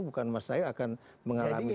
bukan mas nayo akan mengalami suatu dekatan